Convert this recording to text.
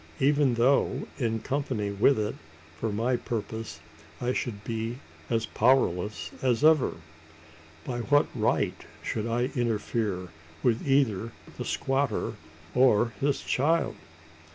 Even though in company with it, for my purpose I should be as powerless as ever. By what right should I interfere with either the squatter or his child?